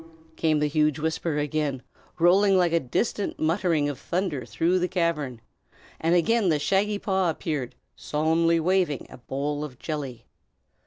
_" came the huge whisper again, rolling like a distant muttering of thunder through the cavern; and again the shaggy paw appeared, solemnly waving a bowl of jelly.